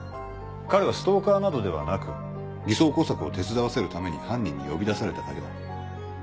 彼はストーカーなどではなく偽装工作を手伝わせるために犯人に呼び出されただけだ。